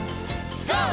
ＧＯ！